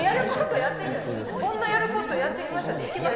そんな「やる事やってきました」でいけます？